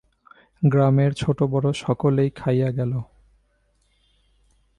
গ্রামের ছোটোবড়ো সকলেই খাইয়া গেল।